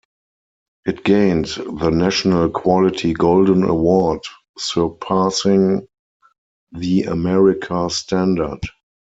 It gained the national quality golden award, surpassing the America Standard.